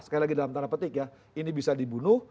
sekali lagi dalam tanda petik ya ini bisa dibunuh